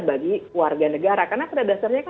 bagi warga negara karena pada dasarnya kan